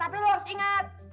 tapi lo harus inget